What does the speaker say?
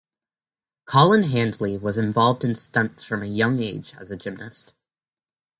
Colin Handley was involved in stunts from a young age as a gymnast.